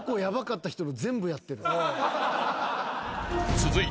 ［続いて］